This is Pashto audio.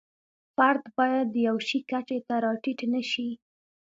فرد باید د یوه شي کچې ته را ټیټ نشي.